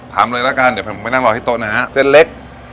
เลยละกันเดี๋ยวผมไปนั่งรอที่โต๊ะนะฮะเส้นเล็ก